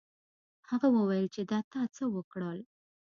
هغه وویل چې دا تا څه وکړل.